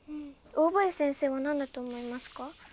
大林先生は何だと思いますか？